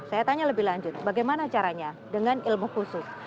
saya tanya lebih lanjut bagaimana caranya dengan ilmu khusus